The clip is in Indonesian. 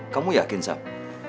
kamu yakin sam